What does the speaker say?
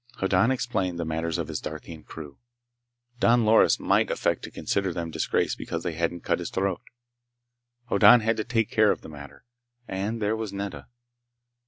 Hoddan explained the matter of his Darthian crew. Don Loris might affect to consider them disgraced because they hadn't cut his throat. Hoddan had to take care of the matter. And there was Nedda....